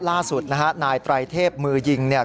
ล่าสุดนะฮะนายไตรเทพมือยิงเนี่ย